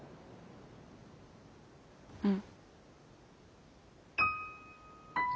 うん。